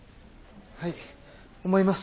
はい思います。